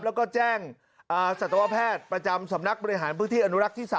แล้วก็แจ้งสัตวแพทย์ประจำสำนักบริหารพื้นที่อนุรักษ์ที่๓